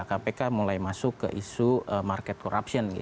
kpk mulai masuk ke isu market corruption